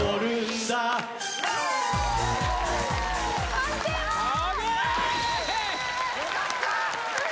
判定は？ＯＫよかった！